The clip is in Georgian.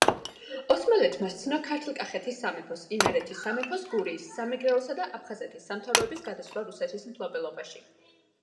ოსმალეთმა სცნო ქართლ-კახეთის სამეფოს, იმერეთის სამეფოს, გურიის, სამეგრელოსა და აფხაზეთის სამთავროების გადასვლა რუსეთის მფლობელობაში.